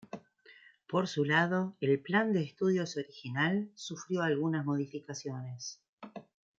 Por su lado, el Plan de Estudios original sufrió algunas modificaciones.